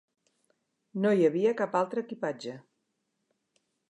No hi havia cap altre equipatge.